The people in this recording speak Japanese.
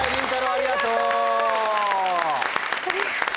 ありがとう。